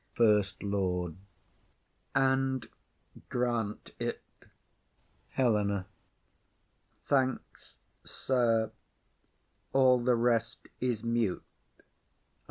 FIRST LORD. And grant it. HELENA. Thanks, sir; all the rest is mute.